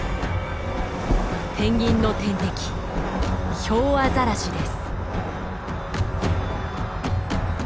ペンギンの天敵ヒョウアザラシです。